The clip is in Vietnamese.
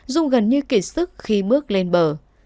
dung gần như kỳ sức khi bước lên bờ